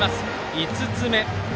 ５つ目。